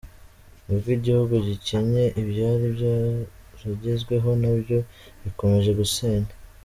N’ubwo igihugu gikennye, ibyari byaragezweho nabyo bikomeje gusenywa.